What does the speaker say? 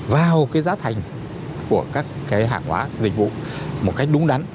vào cái giá thành của các cái hàng hóa dịch vụ một cách đúng đắn